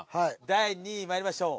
第２位まいりましょう。